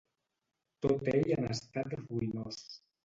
Tot ell en estat ruïnós.